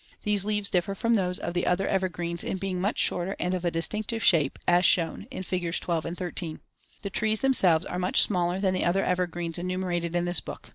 These leaves differ from those of the other evergreens in being much shorter and of a distinctive shape as shown in Figs. 12 and 13. The trees themselves are much smaller than the other evergreens enumerated in this book.